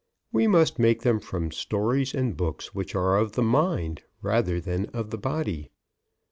We must make them from stories and books which are of the mind rather than of the body.